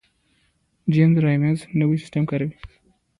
جیمي رامیرز نوی سیستم کاروي.